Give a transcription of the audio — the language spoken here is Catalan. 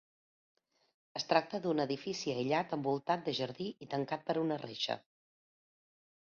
Es tracta d'un edifici aïllat envoltat de jardí i tancat per una reixa.